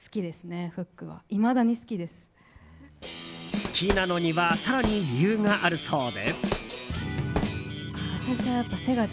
好きなのには更に理由があるそうで。